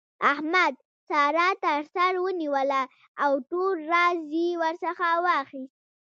احمد؛ سارا تر سر ونيوله او ټول راز يې ورڅخه واخيست.